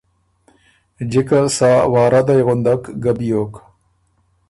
جِکه سا واردئ غُندک ګه بیوک۔